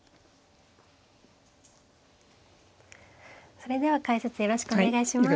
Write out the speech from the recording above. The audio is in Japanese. それでは解説よろしくお願いします。